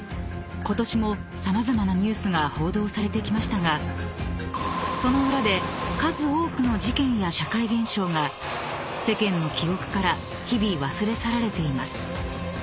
［ことしも様々なニュースが報道されてきましたがその裏で数多くの事件や社会現象が世間の記憶から日々忘れ去られています］